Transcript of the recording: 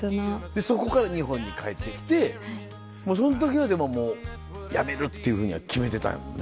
そこから日本に帰ってきて、もうそのときはでももう、辞めるっていうふうには決めてたんやろうね。